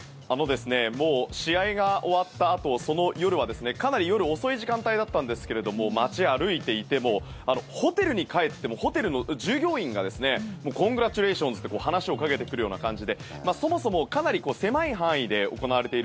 試合が終わったあとその夜はかなり夜遅い時間帯だったんですけれども街を歩いていてもホテルに帰ってもホテルの従業員がコングラチュレーションズと話をかけてくるような感じでそもそもかなり狭い範囲で行われている